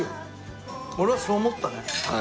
俺はそう思ったね。